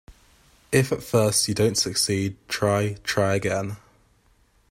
If at first you don't succeed, try, try again.